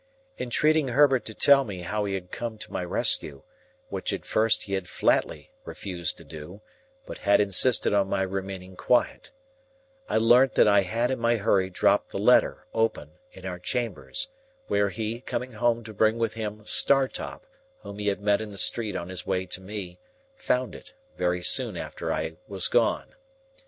Entreating Herbert to tell me how he had come to my rescue,—which at first he had flatly refused to do, but had insisted on my remaining quiet,—I learnt that I had in my hurry dropped the letter, open, in our chambers, where he, coming home to bring with him Startop whom he had met in the street on his way to me, found it, very soon after I was gone.